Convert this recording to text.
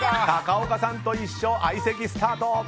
高岡さんと一緒、相席スタート。